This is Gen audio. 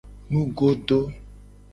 Nugodo.